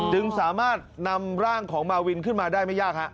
จึงสามารถนำร่างของมาวินขึ้นมาได้ไม่ยากฮะ